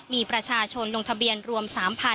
มีประชาชนลงทะเบียนรวม๓๐๐๐